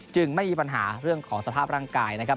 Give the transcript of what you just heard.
ไม่มีปัญหาเรื่องของสภาพร่างกายนะครับ